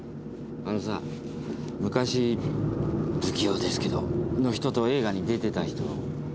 あのさ昔「不器用ですけど」の人と映画に出てた人。